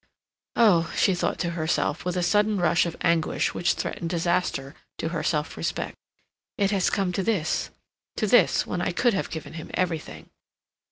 "Oh," she thought to herself, with a sudden rush of anguish which threatened disaster to her self respect, "it has come to this—to this—when I could have given him everything!"